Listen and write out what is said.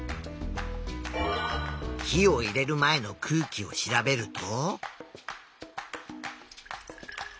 火を入れる前の空気を調べると。